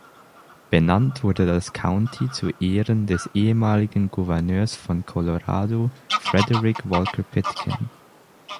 Benannt wurde das County zu Ehren des ehemaligen Gouverneurs von Colorado Frederick Walker Pitkin.